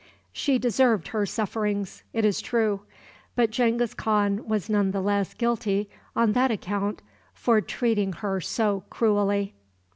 She deserved her sufferings, it is true; but Genghis Khan was none the less guilty, on that account, for treating her so cruelly.